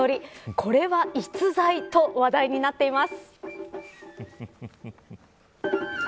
これは逸材と話題になっています。